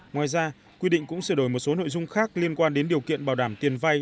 ngoài ra quy định cũng sửa đổi một số nội dung khác liên quan đến điều kiện bảo đảm tiền vay